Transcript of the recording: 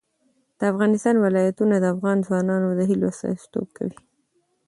د افغانستان ولايتونه د افغان ځوانانو د هیلو استازیتوب کوي.